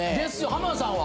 浜田さんは？